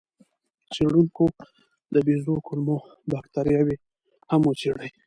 څېړونکو د بیزو کولمو بکتریاوې هم وڅېړې.